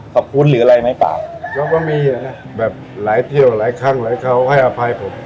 ขอบคุณหรืออะไรไหมเปล่าก็มีนะแบบหลายเที่ยวหลายครั้งหลายเขาให้อภัยผม